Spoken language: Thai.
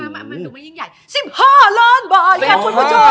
มาดูมันยิ่งใหญ่